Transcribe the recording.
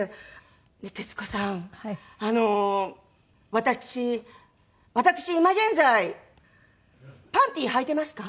私私今現在パンティーはいていますか？